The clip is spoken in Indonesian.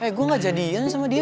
eh gue gak jadiin sama dia